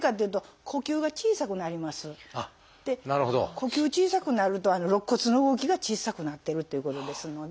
呼吸小さくなると肋骨の動きが小さくなってるということですので。